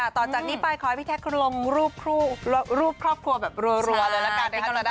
ใช่ค่ะตอนจากนี้ไปขอให้พี่แท็กลงลูกครอบครัวแบบร้อยรวมร้อยนะคะ